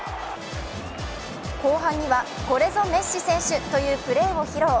後半にはこれぞメッシ選手というプレーを披露。